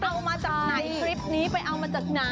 เค้านิ้งมาอันคริปนี้แล้วเล่ามาจากไหน